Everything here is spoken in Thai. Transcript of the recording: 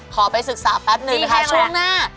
ไปศึกษาแป๊บนึงนะคะช่วงหน้า